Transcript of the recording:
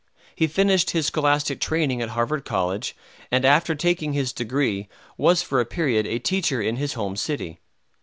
He finished his scholastic training at Harvard College, and after taking his degree was for a period a teacher in his home city.